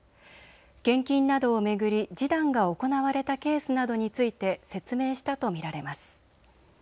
献金などを巡り示談が行われたケースなどについて説明したと見られます。